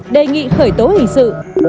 đề nghị khởi tố hình sự